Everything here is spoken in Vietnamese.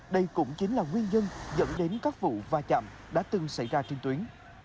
đây cũng chính là nguyên nhân dẫn đến các vụ va chạm đã từng xảy ra trên tuyến